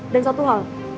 dan satu hal